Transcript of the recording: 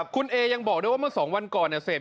คุณเอยังบอกด้วยว่าสองวันเก่าเนี่ย